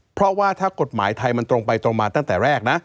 เพราะว่าถ้ากฎหมายไทยมันตรงไปตรงมาตั้งแต่แรกนะ